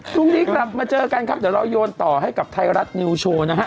พรุ่งนี้กลับมาเจอกันครับเดี๋ยวเราโยนต่อให้กับไทยรัฐนิวโชว์นะฮะ